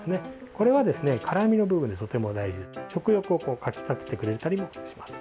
これは辛みの部分でとても大事で食欲をかき立ててくれたりもします。